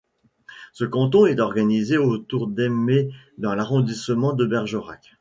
Ce canton est organisé autour d'Eymet dans l'arrondissement de Bergerac.